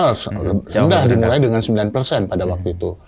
rendah dimulai dengan sembilan pada waktu itu